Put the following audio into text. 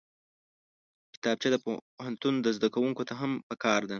کتابچه د پوهنتون زدکوونکو ته هم پکار ده